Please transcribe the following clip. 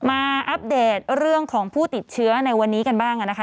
อัปเดตเรื่องของผู้ติดเชื้อในวันนี้กันบ้างนะคะ